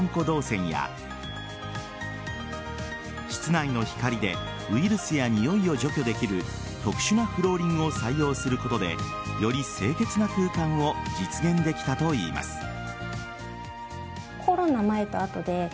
動線や室内の光でウイルスやにおいを除去できる特殊なフローリングを採用することでより清潔な空間を実現できたといいます。